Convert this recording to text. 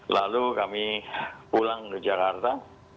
lalu kami pulang ke jakarta